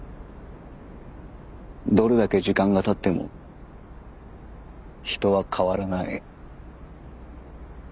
どれだけ時間がたっても人は変わらない。